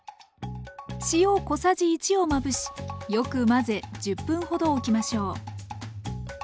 塩小さじ１をまぶしよく混ぜ１０分ほどおきましょう。